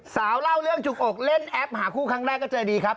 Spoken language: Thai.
สาวเล่าเรื่องจุกอกเล่นแอปหาคู่ครั้งแรกก็เจอดีครับ